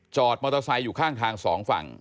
จอดมอเตอร์ไซต์อยู่ข้างทาง๒ฝั่ง